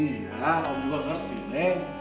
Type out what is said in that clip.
iya om juga ngerti neng